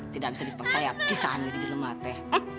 tidak bisa dipercaya bisa aneh di jelumate